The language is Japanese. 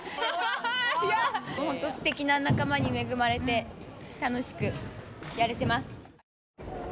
すてきな仲間に恵まれて楽しくやれてます。